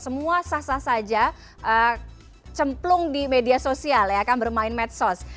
semua sah sah saja cemplung di media sosial ya akan bermain medsos